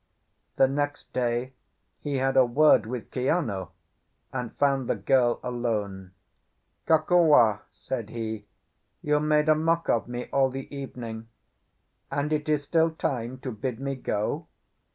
The next day he had a word with Kiano, and found the girl alone. "Kokua," said he, "you made a mock of me all the evening; and it is still time to bid me go.